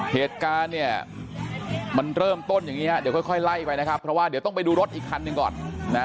เหตุการณ์เนี่ยมันเริ่มต้นอย่างนี้เดี๋ยวค่อยไล่ไปนะครับเพราะว่าเดี๋ยวต้องไปดูรถอีกคันหนึ่งก่อนนะ